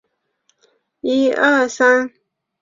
洪武二十七年甲戌科进士。